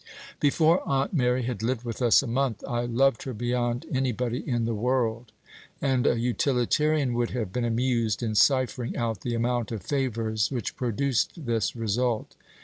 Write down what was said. Before Aunt Mary had lived with us a month, I loved her beyond any body in the world; and a utilitarian would have been amused in ciphering out the amount of favors which produced this result.